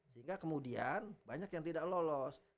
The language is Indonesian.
sehingga kemudian banyak yang tidak lolos